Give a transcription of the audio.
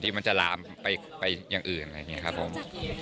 มันจะลามไปอย่างอื่นอะไรอย่างนี้ครับผม